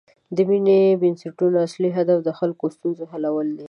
د مدني بنسټونو اصلی هدف د خلکو د ستونزو حلول دي.